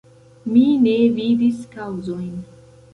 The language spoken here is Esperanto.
Mi ne vidis kaŭzojn.